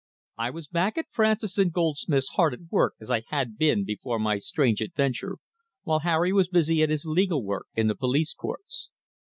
I was back at Francis and Goldsmith's hard at work as I had been before my strange adventure, while Harry was busy at his legal work in the police courts.